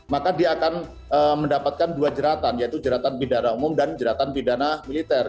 maka dia akan mendapatkan dua jeratan yaitu jeratan pidana umum dan jeratan pidana militer